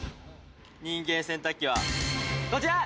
人間洗濯機はこちら！